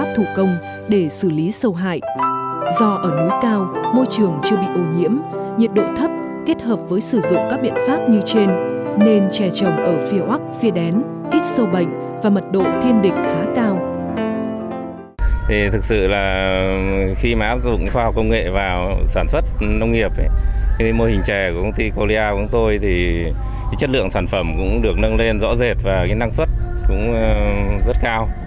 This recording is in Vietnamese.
thực sự là khi mà áp dụng khoa học công nghệ vào sản xuất nông nghiệp mô hình chè của công ty colia của chúng tôi thì chất lượng sản phẩm cũng được nâng lên rõ rệt và năng suất cũng rất cao